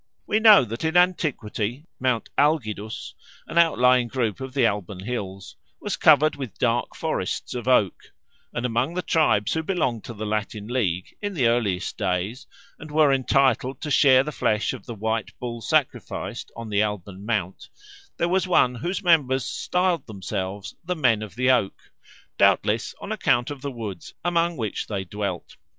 We know that in antiquity Mount Algidus, an outlying group of the Alban hills, was covered with dark forests of oak; and among the tribes who belonged to the Latin League in the earliest days, and were entitled to share the flesh of the white bull sacrificed on the Alban Mount, there was one whose members styled themselves the Men of the Oak, doubtless on account of the woods among which they dwelt.